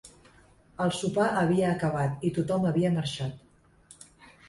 El sopar havia acabat i tothom havia marxat.